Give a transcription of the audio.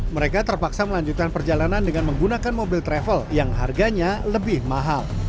mereka terpaksa melanjutkan perjalanan dengan menggunakan mobil travel yang harganya lebih mahal